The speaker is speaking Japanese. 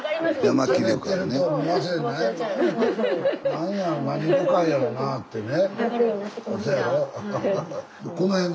何や何旅館やろなってね。